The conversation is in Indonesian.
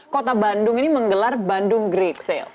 kota bandung ini menggelar bandung great sale